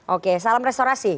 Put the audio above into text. oke salam restorasi